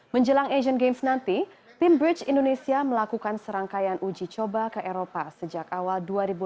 menjelang asian games nanti tim bridge indonesia melakukan serangkaian uji coba ke eropa sejak awal dua ribu delapan belas